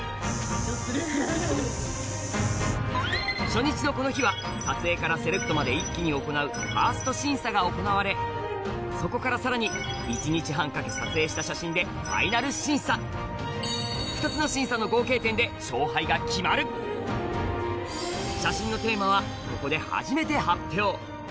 初日のこの日は撮影からセレクトまで一気に行うファースト審査が行われそこからさらに一日半かけ撮影した写真でファイナル審査２つの審査の合計点で勝敗が決まるやっぱり。